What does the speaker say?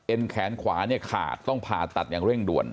เอ็นแขนขวานี่ขาดต้องผ่าตัดอย่างเร่งด้วย